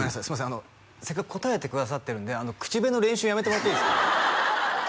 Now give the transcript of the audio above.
あのせっかく答えてくださってるんで口笛の練習やめてもらっていいですか？